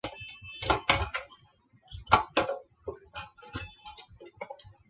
更多收藏家喜欢收藏鼻烟壶。